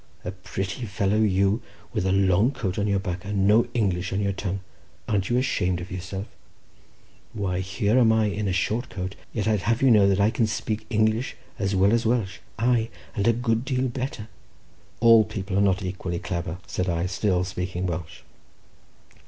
A pretty fellow, you, with a long coat on your back, and no English on your tongue; an't you ashamed of yourself? Why, here am I in a short coat, yet I'd have you to know that I can speak English as well as Welsh, aye, and a good deal better." "All people are not equally clebber," said I, still speaking Welsh.